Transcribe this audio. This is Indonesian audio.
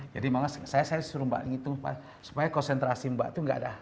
jadi saya suruh mbak ini supaya konsentrasi mbak itu tidak ada